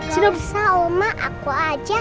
gak usah oma aku aja